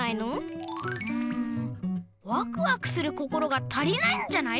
うんワクワクする心が足りないんじゃない？